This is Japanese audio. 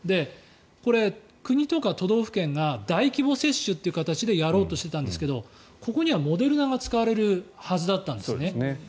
これ、国とか都道府県が大規模接種という形でやろうとしていたんですがここにはモデルナが使われるはずだったんですね。